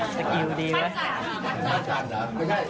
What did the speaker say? สกิลดีเหรอมันเก่ง